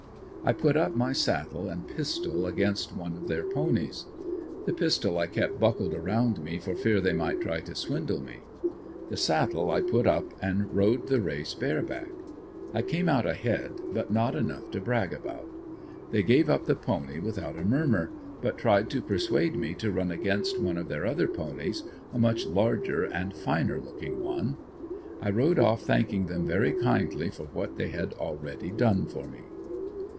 I put up my saddle and pistol against one of their ponies. The pistol I kept buckled around me for fear they might try to swindle me. The saddle I put up and rode the race bare back. I came out ahead, but not enough to brag about. They gave up the pony without a murmer, but tried to persuade me to run against one of their other ponies, a much larger and finer looking one. I rode off thanking them very kindly for what they had already done for me.